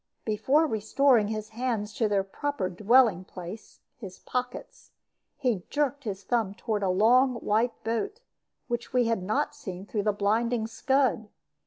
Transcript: Before restoring his hands to their proper dwelling place his pockets he jerked his thumb toward a long white boat, which we had not seen through the blinding scud.